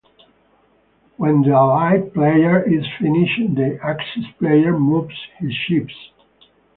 When the Allied player is finished, the Axis player moves his ships.